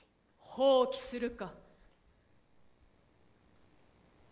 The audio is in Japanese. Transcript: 放棄するか？